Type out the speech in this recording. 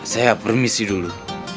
saya permisi dulu